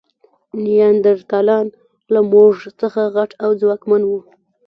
نیاندرتالان له موږ څخه غټ او ځواکمن وو.